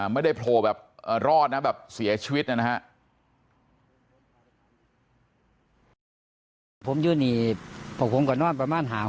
ไม่ได้โผล่แบบรอดนะแบบเสียชีวิตนะฮะ